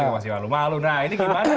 juga masih lalu lalu nah ini gimana